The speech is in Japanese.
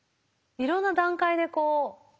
いろんな段階でこう。